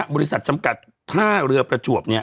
บริษัทจำกัดท่าเรือประจวบ